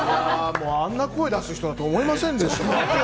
あんな声、出す人だと思いませんでした。